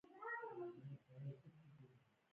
بېلابېل ډول حیوانات اهلي کېدای شول.